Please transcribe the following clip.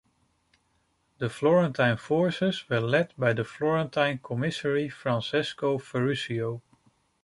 The Florentine forces were led by the florentine commissary Francesco Ferruccio.